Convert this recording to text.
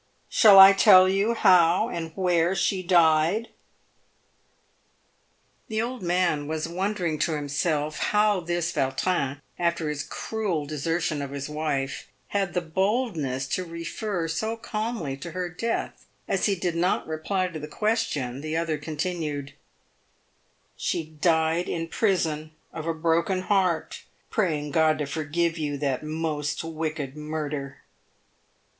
Shall I tell you how and where she died ?" The old man was wonderiug to himself how this Yautrin, after his cruel desertion of his wife, had the boldness to refer so calmly to her death. As he did not reply to the question, the other continued :" She died in prison, of a broken heart, praying God to forgive you that most wicked murder."